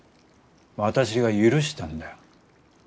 私が許したんだよ。